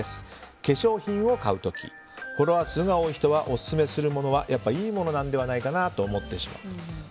化粧品を買う時フォロワー数が多い人がオススメするものはいいものなのではないのかなと思ってしまう。